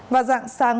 vào dạng sáng